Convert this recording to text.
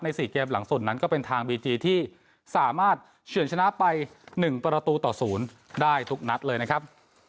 ๔เกมหลังสุดนั้นก็เป็นทางบีจีที่สามารถเฉินชนะไป๑ประตูต่อ๐ได้ทุกนัดเลยนะครับ